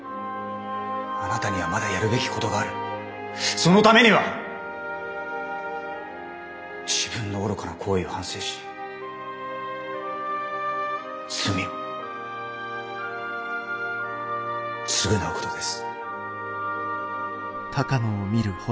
そのためには自分の愚かな行為を反省し罪を償うことです。